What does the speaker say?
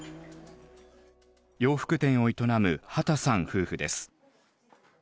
洋服店を営む秦さん夫婦です。